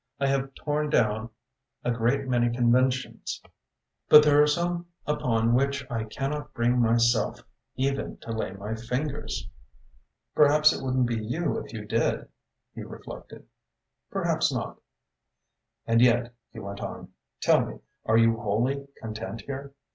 I have torn down a great many conventions, but there are some upon which I cannot bring myself even to lay my fingers." "Perhaps it wouldn't be you if you did," he reflected. "Perhaps not." "And yet," he went on, "tell me, are you wholly content here?